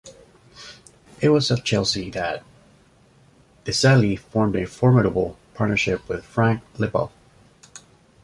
It was at Chelsea that Desailly formed a formidable partnership with Frank Leboeuf.